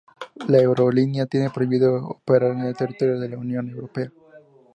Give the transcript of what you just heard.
La aerolínea tiene prohibido operar en el territorio de la Unión Europea.